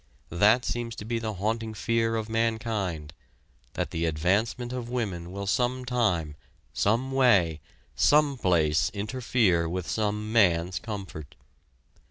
That seems to be the haunting fear of mankind that the advancement of women will sometime, someway, someplace, interfere with some man's comfort.